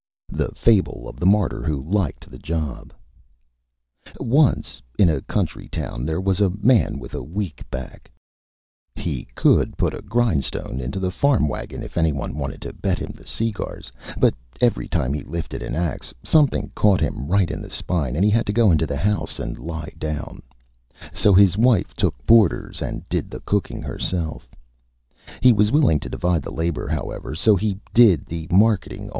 _ THE FABLE OF THE MARTYR WHO LIKED THE JOB Once in a Country Town there was a Man with a Weak Back. He could put a Grindstone into a Farm Wagon if any one wanted to bet him the Segars, but every time he lifted an Ax, something caught him right in the Spine and he had to go into the House and lie down. So his Wife took Boarders and did the Cooking herself. He was willing to divide the Labor, however; so he did the Marketing.